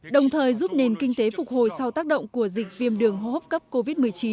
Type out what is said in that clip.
đồng thời giúp nền kinh tế phục hồi sau tác động của dịch viêm đường hô hấp cấp covid một mươi chín